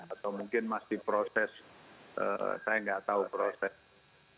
atau mungkin masih proses saya tidak tahu proses legalnya